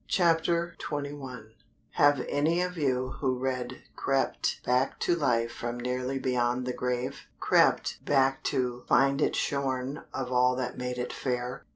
CHAPTER XXI Have any of you who read crept back to life from nearly beyond the grave? Crept back to find it shorn of all that made it fair?